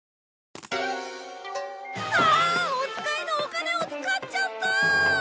ああお使いのお金を使っちゃった！